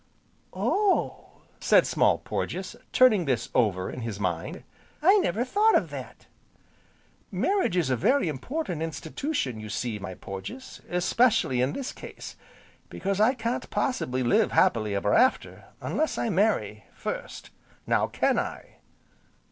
"Oh!" said Small Porges, turning this over in his mind, "I never thought of that." "Marriage is a very important institution, you see, my Porges, especially in this case, because I can't possibly live happy ever after, unless I marry first now can I?"